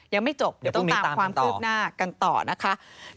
ยังไม่จบเดี๋ยวต้องตามความคืบหน้ากันต่อนะคะ